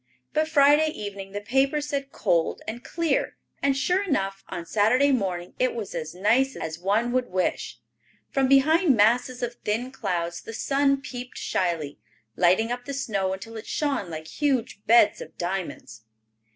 But Friday evening the paper said cold and clear, and sure enough, on Saturday morning it was as nice as one would wish. From behind masses of thin clouds the sun peeped shyly, lighting up the snow until it shone like huge beds of diamonds.